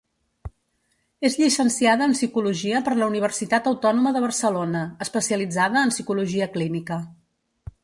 És llicenciada en psicologia per la Universitat Autònoma de Barcelona, especialitzada en Psicologia Clínica.